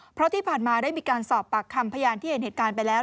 เพราะที่ผ่านมาได้มีการสอบปากคำพยานที่เห็นเหตุการณ์ไปแล้ว